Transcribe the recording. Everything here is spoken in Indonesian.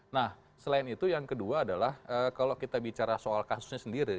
nah selain itu yang kedua adalah kalau kita bicara soal kasusnya sendiri